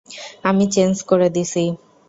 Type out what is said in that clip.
আমি চেঞ্জ করে দিসি!